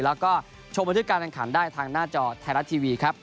แล้วก็โชว์บันทึกการการได้ทางหน้าจอไทยรัฐทีวีครับ